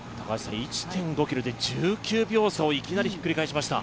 １．５ｋｍで１９秒差をいきなりひっくり返しました。